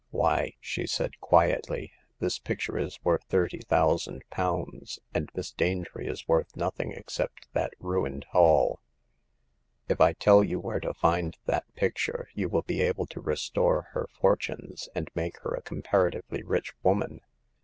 " Why," she said, quietly, this picture is worth thirty thousand pounds, and Miss Danetree is worth nothing except that ruined Hall. If I tell you where to find that picture, you will be able to restore her fortunes, and make her a comparatively rich woman.